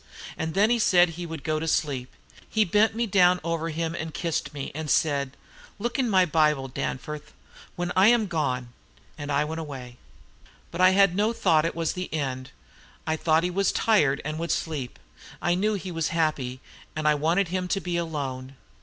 And then he said he would go to sleep. He bent me down over him and kissed me; and he said, 'Look in my Bible, Captain, when I am gone.' And I went away. "But I had no thought it was the end: I thought he was tired and would sleep. I knew he was happy, and I wanted him to be alone.